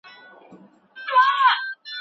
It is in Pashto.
تاریخي ځایونه د سیلانیانو پام ځان ته را اړوي.